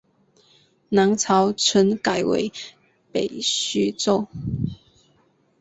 南朝陈改为北徐州。